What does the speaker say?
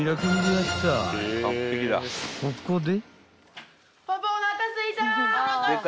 ［ここで］